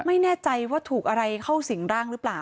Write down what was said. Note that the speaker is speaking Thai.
ไม่แน่ใจว่าถูกอะไรเข้าสิ่งร่างหรือเปล่า